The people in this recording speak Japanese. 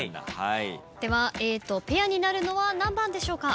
ではＡとペアになるのは何番でしょうか？